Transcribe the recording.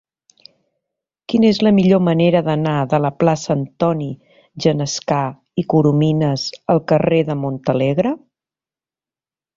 Quina és la millor manera d'anar de la plaça d'Antoni Genescà i Corominas al carrer de Montalegre?